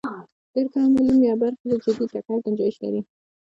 ډېر کم علوم یا برخې د جدي ټکر ګنجایش لري.